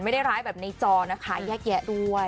ไม่ได้ร้ายแบบในจอนะคะแยะแยะด้วย